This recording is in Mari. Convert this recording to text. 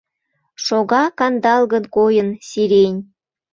Шога, кандалгын койын, сирень.